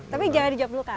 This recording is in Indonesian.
tapi jangan dijawab dulu kak